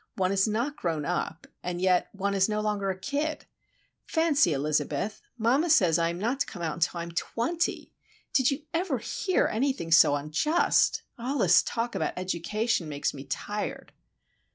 One is not grown up, and yet one is no longer a kid. Fancy, Elizabeth! mamma says I am not to come out till I am twenty! Did you ever hear anything so unjust? All this talk about education makes me tired."